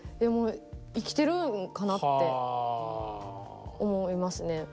生きてるんかなって思いますね。